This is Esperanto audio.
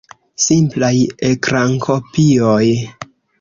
Simplaj ekrankopioj.